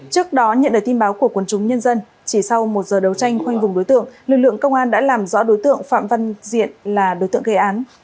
trước đó nhận được tin báo của quân chúng nhân dân chỉ sau một giờ đấu tranh khoanh vùng đối tượng lực lượng công an đã làm rõ đối tượng phạm văn diện là đối tượng gây án